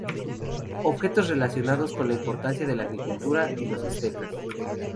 Objetos relacionados con la importancia de la agricultura y los aztecas.